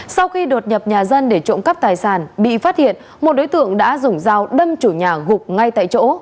sau khi đột nhập nhà dân để trộm cắp tài sản bị phát hiện một đối tượng đã dùng dao đâm chủ nhà gục ngay tại chỗ